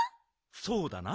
そうだな。